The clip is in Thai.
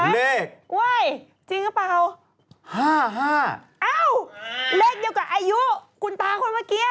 เลขเดียวกับอายุกุญตาคนเมื่อกี้